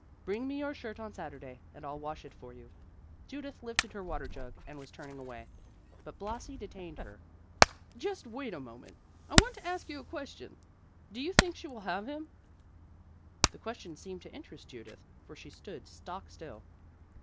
Bring me your shirt on Saturday, and I'll wash it for you." Judith lifted her water jug and was turning away, but Blasi detained her. "Just wait one moment, I want to ask you a question. Do you think she will have him?" The question seemed to interest Judith, for she stood stock still.